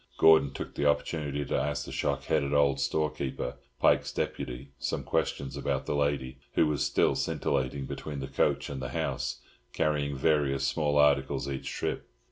Gordon took the opportunity to ask the shock headed old storekeeper, Pike's deputy, some questions about the lady, who was still scintillating between the coach and the house, carrying various small articles each trip.